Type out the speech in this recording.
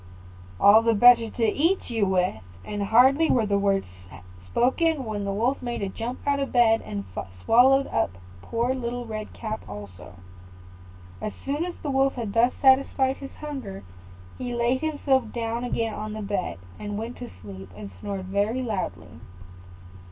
"All the better to eat you with;" and hardly were the words spoken when the Wolf made a jump out of bed, and swallowed up poor Little Red Cap also. As soon as the Wolf had thus satisfied his hunger, he laid himself down again on the bed, and went to sleep and snored very loudly.